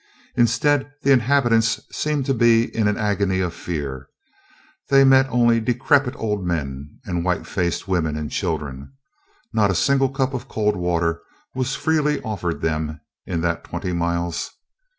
Instead, the inhabitants seemed to be in an agony of fear. They met only decrepit old men and white faced women and children. Not a single cup of cold water was freely offered them in that twenty miles.